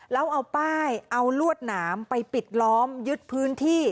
แล้วเอาป้ายเอาลวดหนามไปปิดล้อมยึดพื้นที่